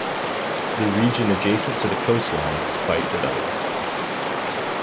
The region adjacent to the coastline is quite developed.